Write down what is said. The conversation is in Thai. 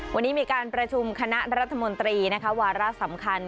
วันนี้มีการประชุมคณะรัฐมนตรีนะคะวาระสำคัญ